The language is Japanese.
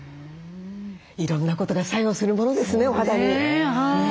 いろんなことが作用するものですねお肌に。